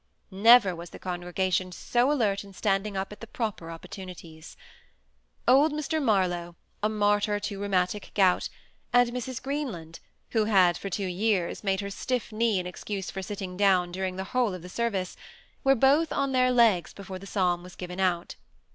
Never was the congregation so alert in standing up at the proper opportunities. Old Mr. Marlow, a martyr to rheumatic gout, and Mrs. Greenland, who had, for two years, made her stiff knee an excuse for sitting down during the whole of the service, were both on their legs before the psalm was given out.